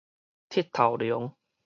鐵頭龍